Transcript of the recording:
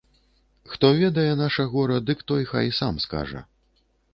Хто ведае наша гора, дык той хай сам скажа.